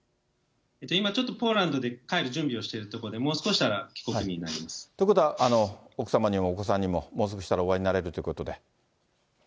今ちょっと、ポーランドで帰る準備をしているところで、もうということは、奥様にもお子さんにも、もう少ししたらお会いになれるということで。